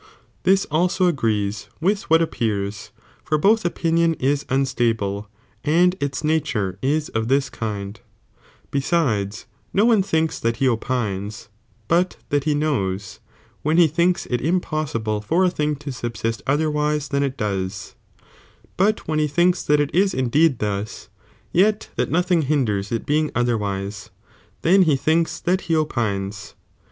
This also agrees with what appears, for both opinion is unstable, and its na Verunt v tare is of this kind,' besides, no one thinks that 1^"°"""' he opines, but that he knows, when he thinks it impossible for a thing to subsist otherwise than it does, but I when he thinks that it is indeed thus, jet that nothing hinders* it being otherwise, iheo he thinks that he opines ;• so w.